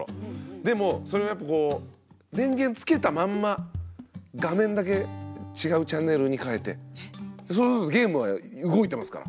でもそれをやっぱこう電源つけたまんま画面だけ違うチャンネルに変えてそれこそゲームは動いてますから。